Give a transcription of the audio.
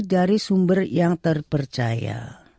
dari sumber yang terpercaya